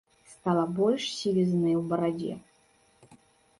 Стала больш сівізны ў барадзе.